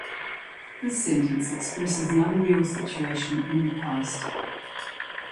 This sentence expresses an unreal situation in the past.